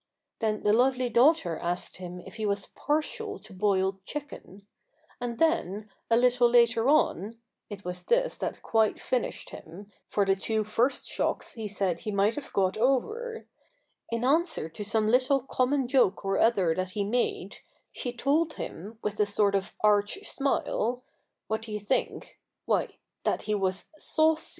"'* Then the lovely daughter asked him if he vfdiS partial lo boiled chicken ; and then, a little later on — it was this that quite finished him, for the two first shocks he said he might have got over — in answer to some little common joke or other that he made, she told him, with a sort of arch smile — what do you think ? why, that he was saua'.''